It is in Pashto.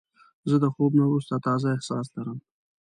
زه د خوب نه وروسته تازه احساس لرم.